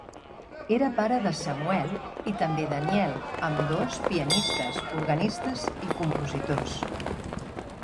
Era pare de Samuel i també Daniel, ambdós pianistes, organistes i compositors.